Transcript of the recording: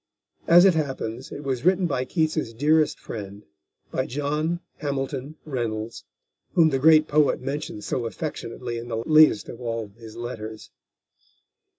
As it happens, it was written by Keats's dearest friend, by John Hamilton Reynolds, whom the great poet mentions so affectionately in the latest of all his letters.